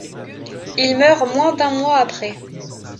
Il meurt moins d'un mois après.